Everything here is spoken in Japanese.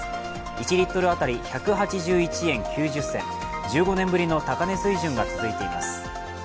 １リットル当たり１８１円９０銭、１５年ぶりの高値水準が続いています。